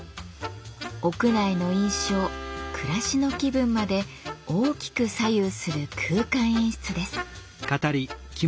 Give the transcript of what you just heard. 屋内の印象暮らしの気分まで大きく左右する空間演出です。